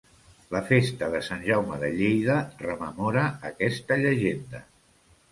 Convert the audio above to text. La festa de Sant Jaume de Lleida rememora aquesta llegenda.